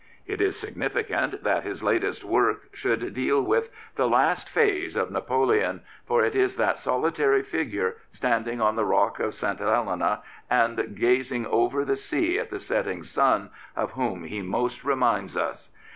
It is significant that his latest work should deal with The Last Phase of Napoleon, for it is that solitary figure standing on the rock of St. Helena and gazing over the sea at the setting sun of whom he most reminds us.